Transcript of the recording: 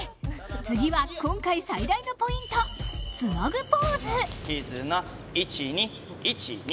次は今回最大のポイント、ツナグポーズ。